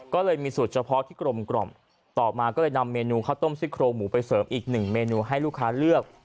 ก็เลยมีสูตรเฉพาะที่กลมกล่อมต่อมาก็เลยนำเมนูข้าวต้มซิ่โครงหมูไปเสริมอีกหนึ่งเมนูให้ลูกค้าเลือก